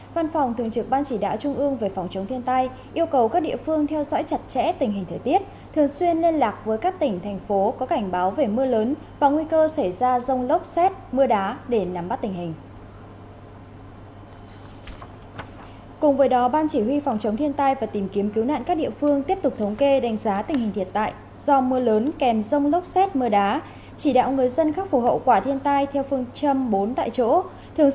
văn phòng thường trực ban chỉ đạo trung ương về phòng chống thiên tai yêu cầu các địa phương theo dõi chặt chẽ tình hình thời tiết thường xuyên liên lạc với các tỉnh thành phố có cảnh báo về mưa lớn và nguy cơ xảy ra rông lốc xét mưa đá để nắm bắt tình hình